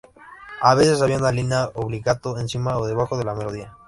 A veces había una línea "obbligato"" "encima o debajo de la melodía.